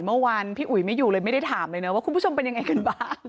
เมื่อวานพี่อุ๋ยไม่อยู่เลยไม่ได้ถามเลยนะว่าคุณผู้ชมเป็นยังไงกันบ้าง